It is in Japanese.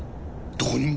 どこにも？